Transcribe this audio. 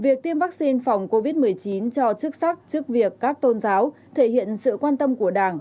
việc tiêm vaccine phòng covid một mươi chín cho chức sắc trước việc các tôn giáo thể hiện sự quan tâm của đảng